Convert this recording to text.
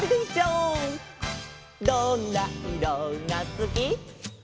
「どんないろがすき」「」